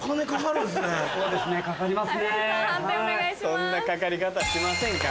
そんなかかり方しませんから。